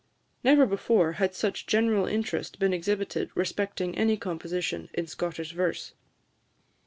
Never before had such general interest been exhibited respecting any composition in Scottish verse.